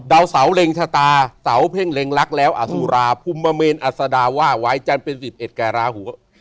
ดาวเสาเล็งชะตาเสาเพ่งเล็งรักแล้วอสุราภูมิมเมนอัศดาว่าไว้จันทร์เป็น๑๑แก่ราหู